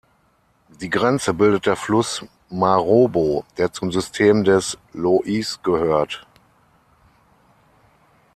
Die Grenze bildet der Fluss Marobo, der zum System des Lóis gehört.